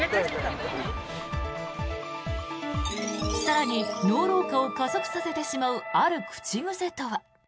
更に脳老化を加速させてしまうある口癖とは。